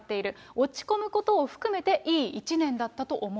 落ち込むことを含めて、いい一年だったと思う。